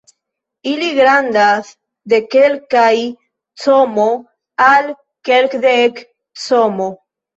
Ili grandas de kelkaj cm al kelkdek cm.